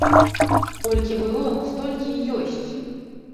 Колькі было, столькі і ёсць.